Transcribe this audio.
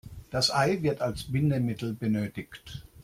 Das Ei wird als Bindemittel benötigt.